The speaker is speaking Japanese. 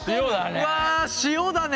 うわ塩だね。